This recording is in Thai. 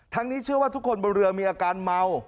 นี้เชื่อว่าทุกคนบนเรือมีอาการเมา